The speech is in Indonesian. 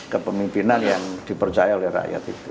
kepemimpinan yang dipercaya oleh rakyat itu